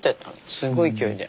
すごい勢いで。